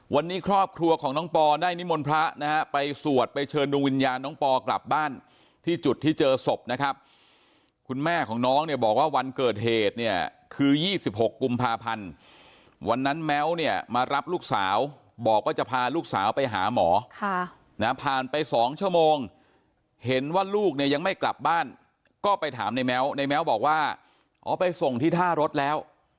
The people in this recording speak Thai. วันนี้ครอบครัวของน้องปอได้นิมนต์พระนะฮะไปสวดไปเชิญดวงวิญญาณน้องปอกลับบ้านที่จุดที่เจอศพนะครับคุณแม่ของน้องเนี่ยบอกว่าวันเกิดเหตุเนี่ยคือ๒๖กุมภาพันธ์วันนั้นแม้วเนี่ยมารับลูกสาวบอกว่าจะพาลูกสาวไปหาหมอผ่านไป๒ชั่วโมงเห็นว่าลูกเนี่ยยังไม่กลับบ้านก็ไปถามในแม้วในแม้วบอกว่าอ๋อไปส่งที่ท่ารถแล้ว